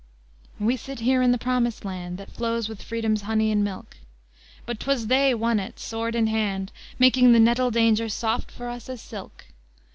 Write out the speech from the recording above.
VIII We sit here in the Promised Land That flows with Freedom's honey and milk; But 'twas they won it, sword in hand, Making the nettle danger soft for us as silk.